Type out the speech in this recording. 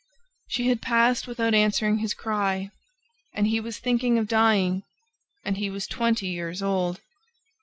... She had passed without answering his cry ... And he was thinking of dying; and he was twenty years old!